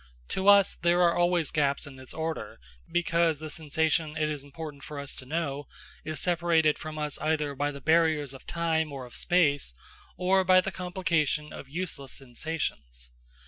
To us there are always gaps in this order, because the sensation it is important for us to know is separated from us either by the barriers of time or of space, or by the complication of useless sensations.